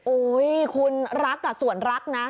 โอ้ยคุณรักส่วนรักนะ